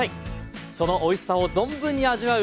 そのおいしさを存分に味わう